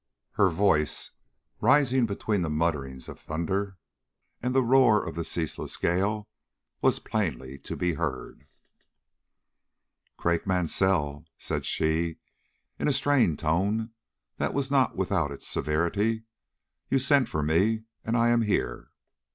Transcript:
Her voice, rising between the mutterings of thunder and the roar of the ceaseless gale, was plainly to be heard. "Craik Mansell," said she, in a strained tone, that was not without its severity, "you sent for me, and I am here."